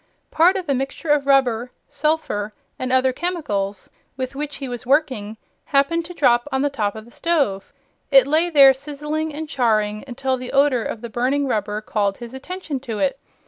Part of a mixture of rubber, sulphur and other chemicals, with which he was working, happened to drop on the top of the stove. It lay there sizzling and charring until the odor of the burning rubber called his attention to it.